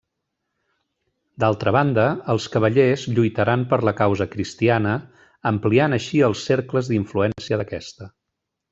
D'altra banda, els cavallers lluitaran per la causa cristiana, ampliant així els cercles d'influència d'aquesta.